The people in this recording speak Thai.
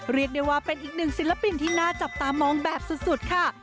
เรียกได้ว่าเป็นอีกหนึ่งศิลปินที่น่าจับตามองแบบสุดค่ะ